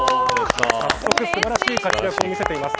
早速素晴らしい活躍を見せています。